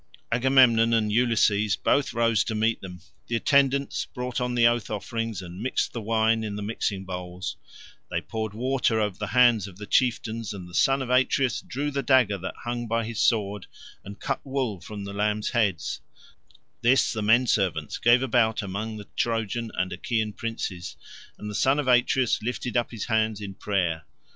Agamemnon and Ulysses both rose to meet them. The attendants brought on the oath offerings and mixed the wine in the mixing bowls; they poured water over the hands of the chieftains, and the son of Atreus drew the dagger that hung by his sword, and cut wool from the lambs' heads; this the men servants gave about among the Trojan and Achaean princes, and the son of Atreus lifted up his hands in prayer.